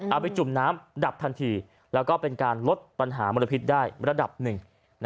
ไปจุ่มน้ำดับทันทีแล้วก็เป็นการลดปัญหามลพิษได้ระดับหนึ่ง